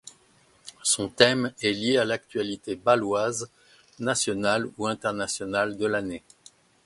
Son thème est lié à l'actualité bâloise, nationale ou internationale de l'année.